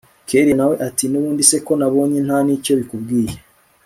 kellia nawe ati nubundi se ko nabonye ntanicyo bikubwiye